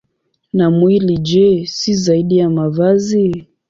Na mwili, je, si zaidi ya mavazi?